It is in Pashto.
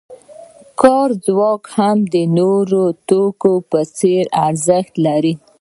کاري ځواک هم د نورو توکو په څېر ارزښت لري